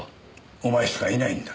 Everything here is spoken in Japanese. お前しかいないんだ。